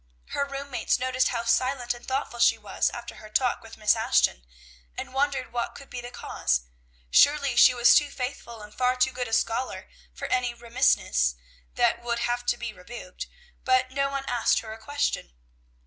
Her room mates noticed how silent and thoughtful she was after her talk with Miss Ashton, and wondered what could be the cause, surely she was too faithful and far too good a scholar for any remissness that would have to be rebuked; but no one asked her a question.